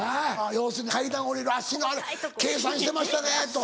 要するに「階段を下りる足の計算してましたね」とか。